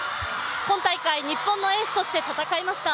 今大会、日本のエースとして戦いました。